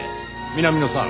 南野さん。